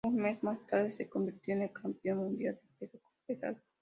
Un mes más tarde se convirtió en el Campeón Mundial Peso Pesado.